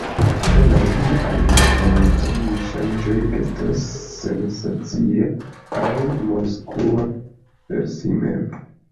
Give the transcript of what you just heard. Apenaŭ iu ajn el tiuj ŝanĝoj estas sensacia aŭ mondskua per si mem.